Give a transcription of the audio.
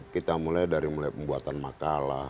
kita mulai dari mulai pembuatan makalah